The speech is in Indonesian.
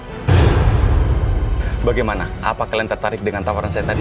hai bagaimana apa kalian tertarik dengan tawaran saya tadi